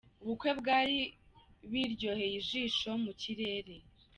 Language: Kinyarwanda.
Ubukwe bwari biryoheye ijisho mu kirere.